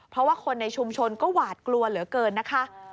เพราะว่าคนในชุมชนก็หวาดกลัวเหลือเกินนะคะ